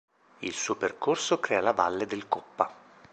Il suo percorso crea la Valle del Coppa.